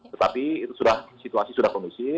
tetapi situasi sudah kondisi